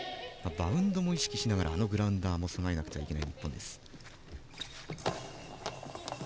バウンドも意識しながらあのグラウンダーにも備えないといけない。